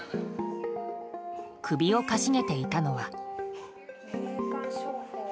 首をかしげていたのは。